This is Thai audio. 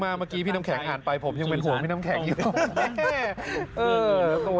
เมื่อกี้พี่น้ำแข็งอ่านไปผมยังเป็นห่วงพี่น้ำแข็งอยู่